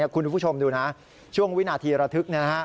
คุณผู้ชมดูนะช่วงวินาทีระทึก